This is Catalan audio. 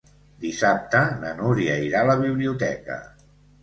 Dissabte na Núria irà a la biblioteca.